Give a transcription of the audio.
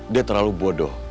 dia terlalu bodoh